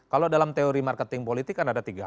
kalau dalam teori marketing politik kan ada tiga